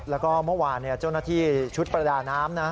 แล้วก็เมื่อวานเจ้าหน้าที่ชุดประดาน้ำนะ